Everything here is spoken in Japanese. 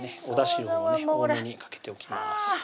おだしを多めにかけておきます